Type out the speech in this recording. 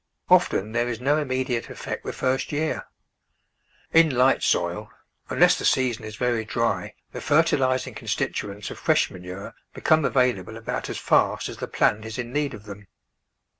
Often there is no immediate effect the first year. In light soil, un less the season is verj'' dry, the fertilising constit uents of fresh manure become available about as fast as the plant is in need of them.